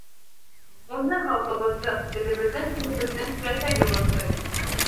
Уны халҡыбыҙҙың, телебеҙҙең, динебеҙҙең киләсәге борсой.